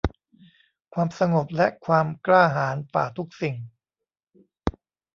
ความสงบและความกล้าหาญฝ่าทุกสิ่ง